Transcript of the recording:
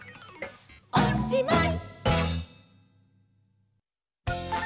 おしまい！